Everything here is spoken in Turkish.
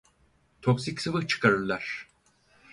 Toksik sıvı çıkarırlar.